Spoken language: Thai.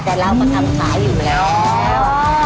แต่เราก็ทำขายอยู่แล้ว